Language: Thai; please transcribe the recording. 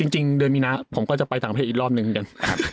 จริงเดือนมีนะผมก็จะไปต่างประเทศอีกรอบนึงกัน